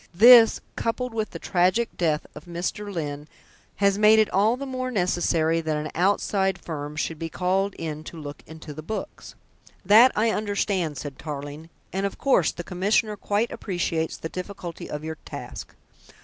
This, coupled with the tragic death of Mr. Lyne, has made it all the more necessary that an outside firm should be called in to look into the books." "That I understand," said Tarling, "and of course, the Commissioner quite appreciates the difficulty of your task.